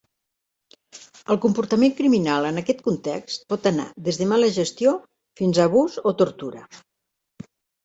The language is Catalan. El comportament criminal en aquest context pot anar des de mala gestió fins a abús o tortura.